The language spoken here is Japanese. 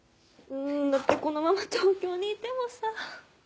んだってこのまま東京にいてもさ。